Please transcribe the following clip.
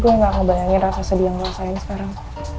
gue gak ngebayangin rasa sedih yang lo rasain sekarang